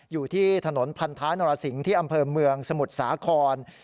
อยู่ที่ถนนพันท้ายนรสิงที่อำเภอเมืองสมุทรสาคร